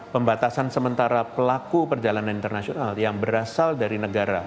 pembatasan sementara pelaku perjalanan internasional yang berasal dari negara